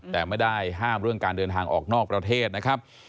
แต่ไม่ได้ห้ามเรื่องการเดินทางออกนอกประเทศนะครับ